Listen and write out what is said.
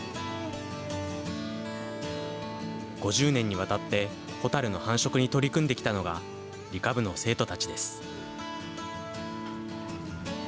５０年にわたってホタルの繁殖に取り組んできたのが、理科部の生徒たちです。